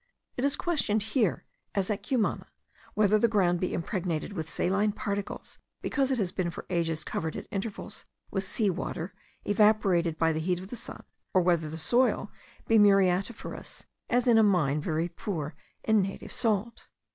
It is questioned here, as at Cumana, whether the ground be impregnated with saline particles because it has been for ages covered at intervals with sea water evaporated by the heat of the sun, or whether the soil be muriatiferous, as in a mine very poor in native salt.